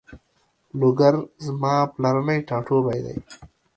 لوګر زما پلرنی ټاټوبی ده